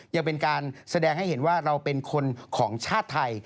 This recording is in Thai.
ยังเป็นการแสดงให้เห็นว่าเราเป็นคนของชาติไทย